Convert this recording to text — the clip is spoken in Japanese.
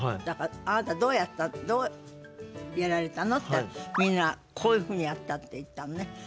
だから「あなたどうやった？どうやられたの？」って「みんなこういうふうにやった」って言ったのね。